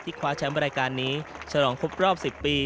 คว้าแชมป์รายการนี้ฉลองครบรอบ๑๐ปี